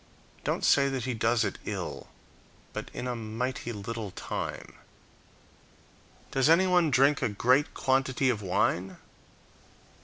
Don't say that he does it ill, but in a mighty little time. Does anyone drink a great quantity of wine?